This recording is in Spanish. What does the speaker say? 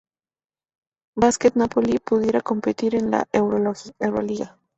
Basket Napoli pudiera competir en la Euroliga.